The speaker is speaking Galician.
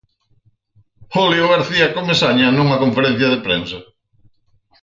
Julio García Comesaña nunha conferencia de prensa.